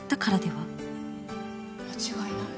間違いない。